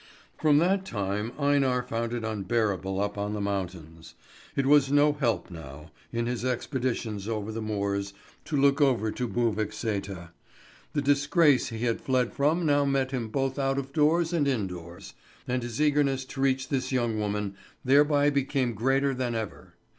From that time Einar found it unbearable up on the mountains. It was no help now, in his expeditions over the moors, to look over to Buvik Sæter. The disgrace he had fled from now met him both out of doors and indoors; and his eagerness to reach this young woman thereby became greater than ever.